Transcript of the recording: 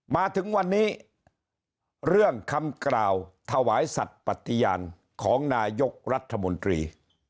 มาถึงวันนี้เรื่องคำกล่าวถวายสัตว์ปฏิญาณของนายกรัฐมนตรี